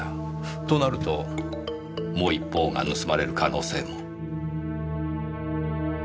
となるともう一方が盗まれる可能性も。